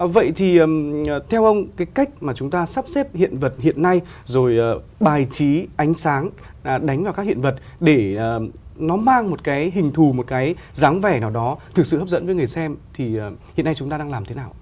vậy thì theo ông cái cách mà chúng ta sắp xếp hiện vật hiện nay rồi bài trí ánh sáng đánh vào các hiện vật để nó mang một cái hình thù một cái dáng vẻ nào đó thực sự hấp dẫn với người xem thì hiện nay chúng ta đang làm thế nào